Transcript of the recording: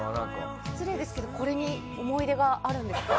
失礼ですけどこれに思い出があるんですか？